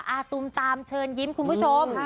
อาตุมตามเชิญยิ้มคุณผู้ชม